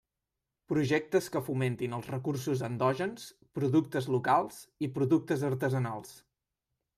Projectes que fomentin els recursos endògens, productes locals i productes artesanals.